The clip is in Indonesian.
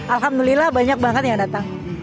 alhamdulillah banyak banget yang datang